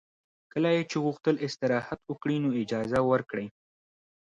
کله یې چې غوښتل استراحت وکړي نو اجازه ورکړئ